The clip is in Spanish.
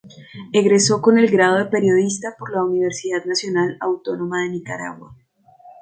Egresó con el grado de Periodista por la Universidad Nacional Autónoma de Nicaragua.